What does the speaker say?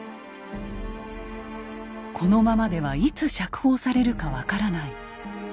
このままではいつ釈放されるか分からない。